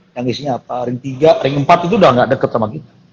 yang isinya apa ring tiga ring empat itu udah gak deket sama kita